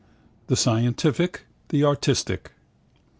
The scientific. The artistic.